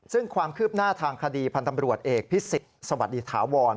ซึ่งความคืบหน้าทางคดีพันธ์ตำรวจเอกพิสิทธิ์สวัสดีถาวร